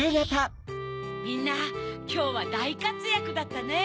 ・みんなきょうはだいかつやくだったね。